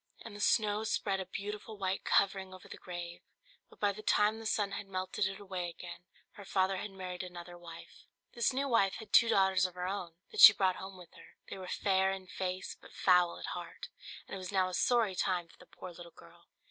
And the snow spread a beautiful white covering over the grave: but by the time the sun had melted it away again, her father had married another wife. This new wife had two daughters of her own, that she brought home with her: they were fair in face but foul at heart, and it was now a sorry time for the poor little girl.